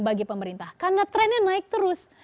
bagi pemerintah karena trennya naik terus